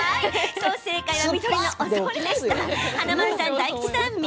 正解は、緑のお雑煮でした。